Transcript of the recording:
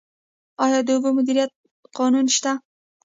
آیا د اوبو مدیریت قانون شته؟